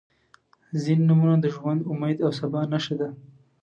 • ځینې نومونه د ژوند، امید او سبا نښه ده.